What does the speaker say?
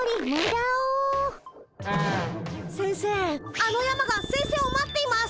あの山が先生を待っています。